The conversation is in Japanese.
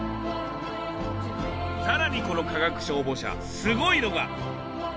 さらにこの化学消防車すごいのが。